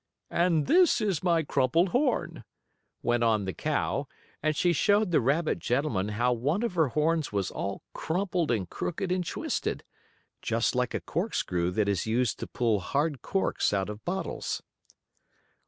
"And this is my crumpled horn," went on the cow, and she showed the rabbit gentleman how one of her horns was all crumpled and crooked and twisted, just like a corkscrew that is used to pull hard corks out of bottles.